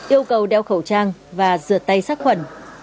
yêu cầu đeo khẩu trang và rửa tay sát khuẩn